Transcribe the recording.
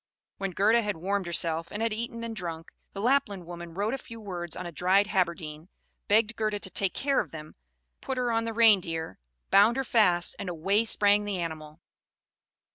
When Gerda had warmed herself, and had eaten and drunk, the Lapland woman wrote a few words on a dried haberdine, begged Gerda to take care of them, put her on the Reindeer, bound her fast, and away sprang the animal.